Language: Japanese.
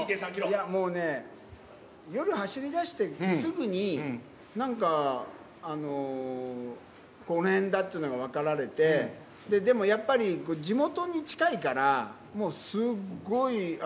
いや、もうね、夜走りだしてすぐになんか、この辺だっていうのが分かられて、でもやっぱり地元に近いから、もう、すっごい